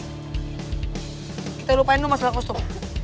kita lupain dulu masalah kostum